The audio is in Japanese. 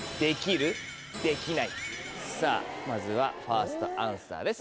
さぁまずはファーストアンサーです。